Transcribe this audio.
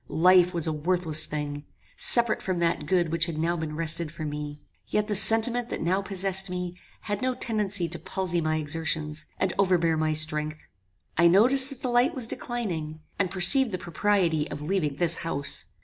Life was a worthless thing, separate from that good which had now been wrested from me; yet the sentiment that now possessed me had no tendency to palsy my exertions, and overbear my strength. I noticed that the light was declining, and perceived the propriety of leaving this house.